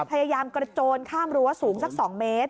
พยายามกระโจนข้ามรั้วสูงสัก๒เมตร